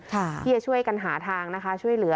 ที่จะช่วยกันหาทางนะคะช่วยเหลือ